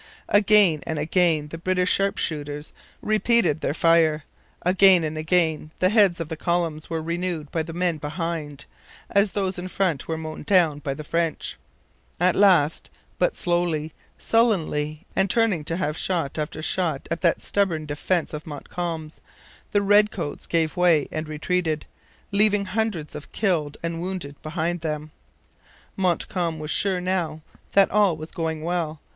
Again and again the British sharpshooters repeated their fire; again and again the heads of the columns were renewed by the men behind, as those in front were mown down by the French. At last, but slowly, sullenly, and turning to have shot after shot at that stubborn defence of Montcalm's, the redcoats gave way and retreated, leaving hundreds of killed and wounded behind them. Montcalm was sure now that all was going well.